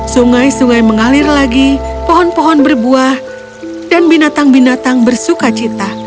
sungai sungai mengalir lagi pohon pohon berbuah dan binatang binatang bersuka cita